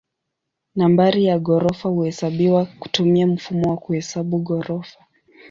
Nambari ya ghorofa huhesabiwa kutumia mfumo wa kuhesabu ghorofa.